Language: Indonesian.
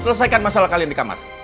selesaikan masalah kalian di kamar